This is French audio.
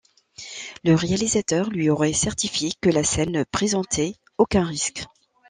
Le réalisateur lui aurait certifié que la scène ne présentait aucun risque.